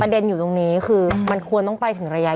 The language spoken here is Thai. เด็นอยู่ตรงนี้คือมันควรต้องไปถึงระยะ